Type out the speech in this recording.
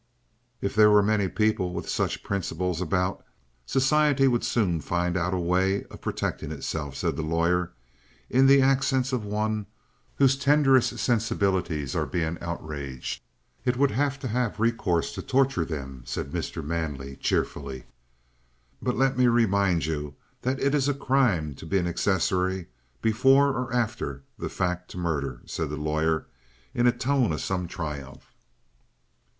"If there were many people with such principles about, society would soon find out a way of protecting itself," said the lawyer, in the accents of one whose tenderest sensibilities are being outraged. "It would have to have recourse to torture then," said Mr. Manley cheerfully. "But let me remind you that it is a crime to be an accessory before, or after, the fact to murder," said the lawyer in a tone of some triumph.